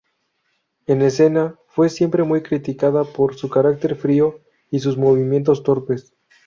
En escena fue siempre muy criticada por su carácter frío y sus movimientos torpes.